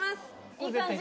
いい感じ。